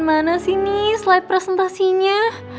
mana sih nih slide presentasinya